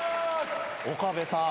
岡部さん